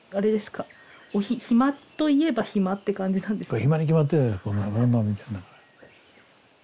暇といえば暇って感じなんですか？